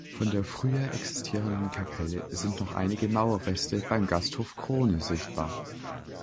Von der früher existierenden Kapelle sind noch einige Mauerreste beim Gasthof Krone sichtbar.